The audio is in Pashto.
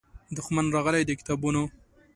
دښمن راغلی د کتابونو